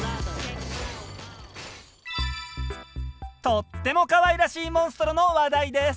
とってもかわいらしいモンストロの話題です。